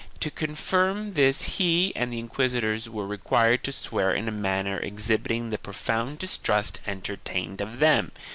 To confirm this he and the inquisitors were required to swear in a manner exhibit ing the profound distrust entertained of them.